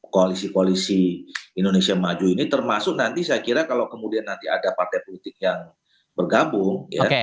koalisi koalisi indonesia maju ini termasuk nanti saya kira kalau kemudian nanti ada partai politik yang bergabung